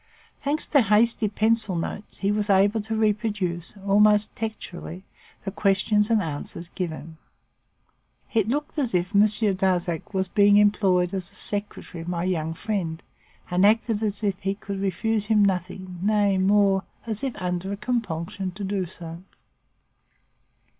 Thanks to hasty pencil notes, he was able to reproduce, almost textually, the questions and the answers given. It looked as if Monsieur Darzac were being employeeed as the secretary of my young friend and acted as if he could refuse him nothing; nay, more, as if under a compulsion to do so.